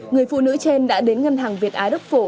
người phụ nữ trên đã đến ngân hàng việt á đức phổ